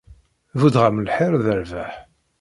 Buddeɣ-am lxir d rrbeḥ.